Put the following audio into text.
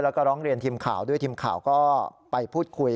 แล้วก็ร้องเรียนทีมข่าวด้วยทีมข่าวก็ไปพูดคุย